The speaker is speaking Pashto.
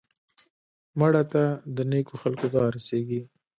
مړه ته د نیکو خلکو دعا رسېږي